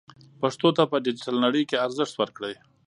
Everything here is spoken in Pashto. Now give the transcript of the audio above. پښتو ته په ډیجیټل نړۍ کې ارزښت ورکړئ.